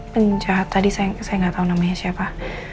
penjahat tadi saya gak tau namanya siapa